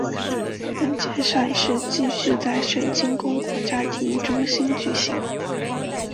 本届赛事继续在水晶宫国家体育中心举行。